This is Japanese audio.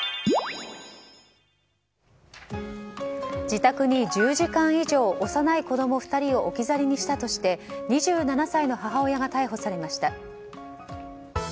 自宅に１０時間以上幼い子供２人を置き去りにしたとして２７歳の母親が逮捕されました。